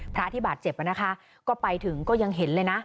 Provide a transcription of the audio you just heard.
พระอธิบาทเจ็บแล้วนะคะก็ไปถึงก็ยังเห็นเลยน่ะ